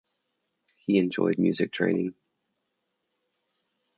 He joined Music Training.